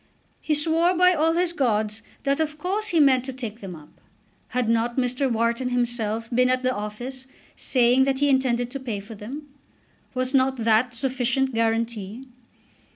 He swore by all his gods that of course he meant to take them up. Had not Mr. Wharton himself been at the office saying that he intended to pay for them? Was not that sufficient guarantee?